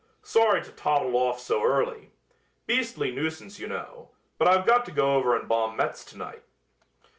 Sorry to toddle off so early. Beastly nuisance, you know, but I've got to go over and bomb Metz to night."